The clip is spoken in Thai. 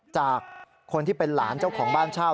จากคนที่เป็นหลานเจ้าของบ้านเช่า